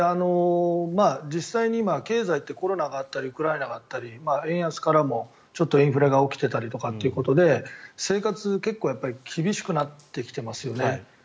実際に今、経済ってコロナがあったりウクライナがあったり円安からもちょっとインフレが起きてたりということで生活が結構厳しくなってきてますよね。